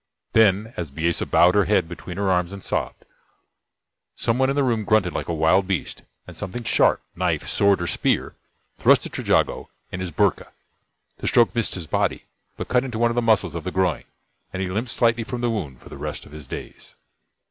Then, as Bisesa bowed her head between her arms and sobbed, some one in the room grunted like a wild beast, and something sharp knife, sword or spear thrust at Trejago in his boorka. The stroke missed his body, but cut into one of the muscles of the groin, and he limped slightly from the wound for the rest of his days.